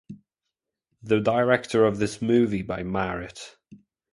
The director of this movie by Marut.